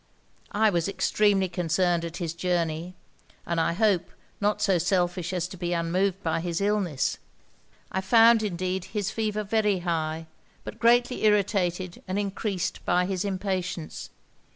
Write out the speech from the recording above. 'I was extremely concerned at his journey; and, I hope, not so selfish as to be unmoved by his illness. I found, indeed, his fever very high, but greatly irritated and encreased by his impatience.